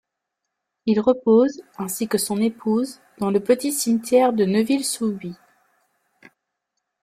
Il repose, ainsi que son épouse, dans le petit cimetière de Neuville-sous-Huy.